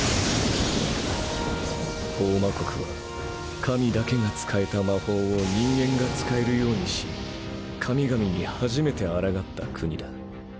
ホウマ国は神だけが使えた魔法を人間が使えるようにし神々に初めてあらがった国だ。